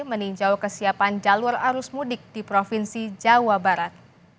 meninjau kesiapan jalur arus mudik di provinsi jawa barat